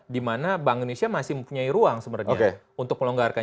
dimana bank indonesia masih mempunyai ruang sebenarnya untuk melonggarkan